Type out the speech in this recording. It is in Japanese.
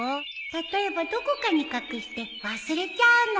例えばどこかに隠して忘れちゃうの